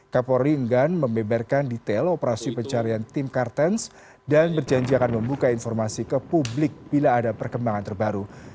kapolri enggan membeberkan detail operasi pencarian tim kartens dan berjanji akan membuka informasi ke publik bila ada perkembangan terbaru